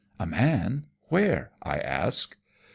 "A man! Where?" I ask.